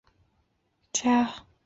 陈桓是越南音乐家。